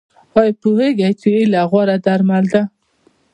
ایا پوهیږئ چې هیله غوره درمل ده؟